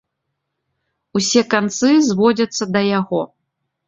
Усе канцы зводзяцца да яго.